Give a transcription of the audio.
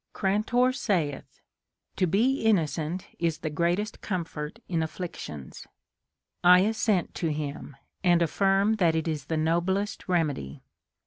Grantor saith, To be innocent is the greatest comfort in afflictions. I assent to him, and affirm that it is the noblest remedy.